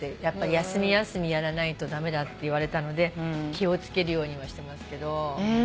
休み休みやらないと駄目だって言われたので気を付けるようにはしてますけど。